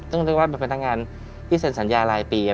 เรียกว่ามันเป็นพนักงานที่เสร็จสัญญาณรายปี